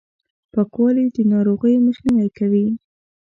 پاکوالي، د ناروغیو مخنیوی کوي!